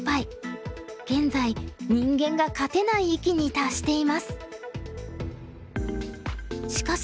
現在人間が勝てない域に達しています。